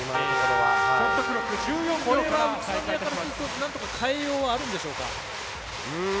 宇都宮からするとなんとか変えようはあるんでしょうか。